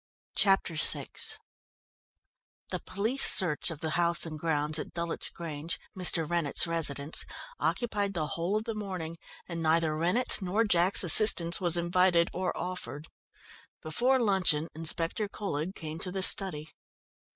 Chapter VI The police search of the house and grounds at Dulwich Grange, Mr. Rennett's residence, occupied the whole of the morning, and neither Rennett's nor Jack's assistance was invited or offered. Before luncheon Inspector Colhead came to the study.